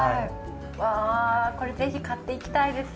わあ、これぜひ買っていきたいです。